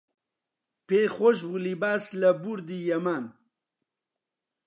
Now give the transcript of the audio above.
پێی خۆش بوو لیباس لە بوردی یەمان